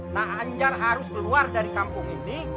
nah anjar harus keluar dari kampung ini